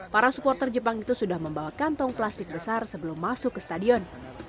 para supporter jepang itu sudah membawa kantong plastik besar sebelum masuk ke stadion